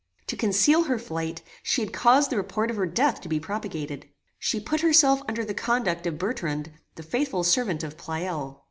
To conceal her flight, she had caused the report of her death to be propagated. She put herself under the conduct of Bertrand, the faithful servant of Pleyel.